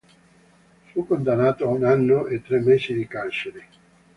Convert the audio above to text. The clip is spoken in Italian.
Fu condannato a un anno e tre mesi di carcere.